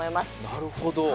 なるほど。